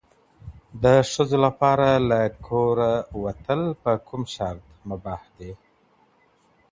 د ښځو لپاره له کوره وتل په کوم شرط مباح دي؟